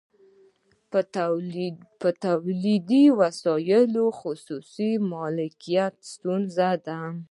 په تولیدي وسایلو خصوصي مالکیت ستونزه ده